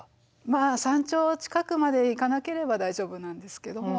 まあ山頂近くまで行かなければ大丈夫なんですけども。